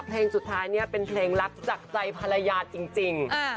เพลงสุดท้ายเนี่ยเป็นเพลงรักจากใจภรรยาจริง